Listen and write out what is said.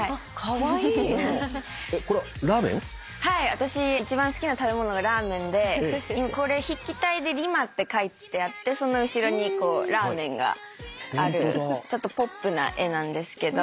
私一番好きな食べ物がラーメンでこれ筆記体で「ＲＩＭＡ」って書いてあってその後ろにラーメンがあるちょっとポップな絵なんですけど。